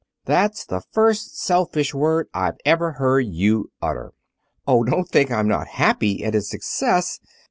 "That's the first selfish word I've ever heard you utter." "Oh, don't think I'm not happy at his success.